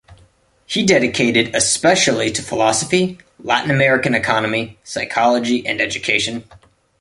He dedicated especially to philosophy, Latin American economy, psychology and education.